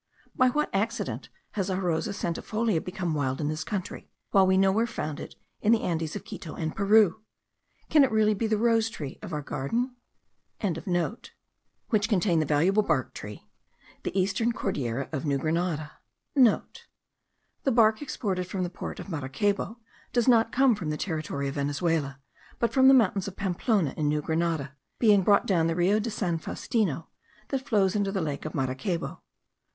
By what accident has our Rosa centifolia become wild in this country, while we nowhere found it in the Andes of Quito and Peru? Can it really be the rose tree of our garden?) which contain the valuable bark tree, the eastern Cordillera of New Granada* (* The bark exported from the port of Maracaybo does not come from the territory of Venezuela, but from the mountains of Pamplona in New Grenada, being brought down the Rio de San Faustino, that flows into the lake of Maracaybo.